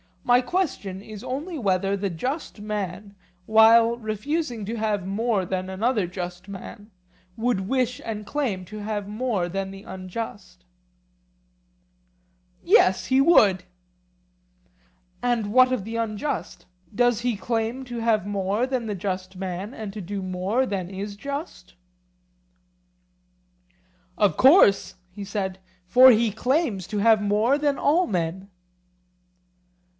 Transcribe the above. My question is only whether the just man, while refusing to have more than another just man, would wish and claim to have more than the unjust? Yes, he would. And what of the unjust—does he claim to have more than the just man and to do more than is just? Of course, he said, for he claims to have more than all men.